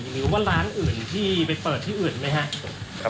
หรือว่าร้านอื่นที่ไปเปิดที่อื่นไหมครับ